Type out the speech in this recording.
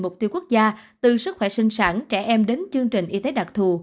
mục tiêu quốc gia từ sức khỏe sinh sản trẻ em đến chương trình y tế đặc thù